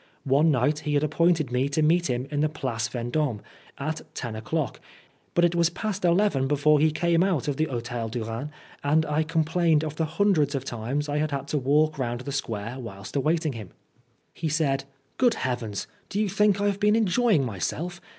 One night he had appointed me to meet him in the Place Vendome at ten o'clock, but it was past eleven before he came out of the H6tel du Rhin, and I complained of the hundreds of times I had had to walk round the square whilst awaiting him. He said, " Good Heavens, do you think I have been enjoying myself?"